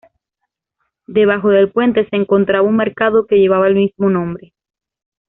Debajo del puente se encontraba un mercado que llevaba el mismo nombre.